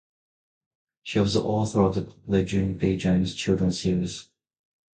She was the author of the popular Junie B. Jones children's series.